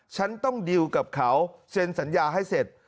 ฉันต้องดิวกับเขาเซ็นสัญญาให้เสร็จ